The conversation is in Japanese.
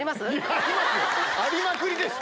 ありまくりです！